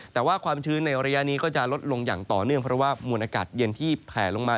แต่ว่าความชื้นในระยะนี้ก็จะลดลงอย่างต่อเนื่องเพราะว่ามวลอากาศเย็นที่แผลลงมา